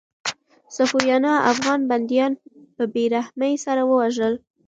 صفویانو افغان بندیان په بې رحمۍ سره ووژل.